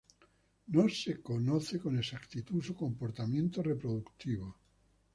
No se conoce con exactitud su comportamiento reproductivo.